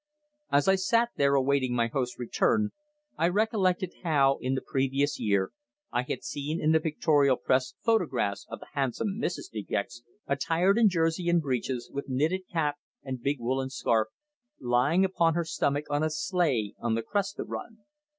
As I sat there awaiting my host's return, I recollected how, in the previous year, I had seen in the pictorial press photographs of the handsome Mrs. De Gex attired in jersey and breeches, with knitted cap and big woollen scarf, lying upon her stomach on a sleigh on the Cresta run.